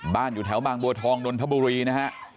อยู่แถวบางบัวทองนนทบุรีนะฮะ